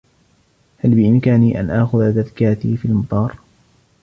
هل بإمكاني أن آخذ تذكرتي في المطار ؟